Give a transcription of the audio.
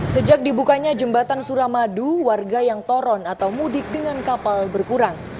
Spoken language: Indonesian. sejak dibukanya jembatan suramadu warga yang toron atau mudik dengan kapal berkurang